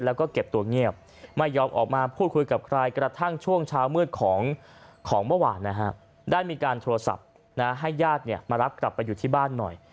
ได้มีการโทรศัพท์ให้ญาติมารับกลับไปอยู่ที่บ้านหน่อย